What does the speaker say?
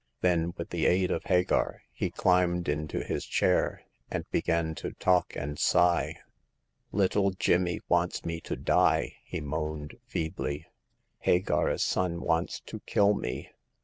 Then, with the aid of Hagar, he climbed into his chair, and began to talk and sigh. Little Jimmy wants me to die," he moaned, feebly. " Hagar's son wants to kill me.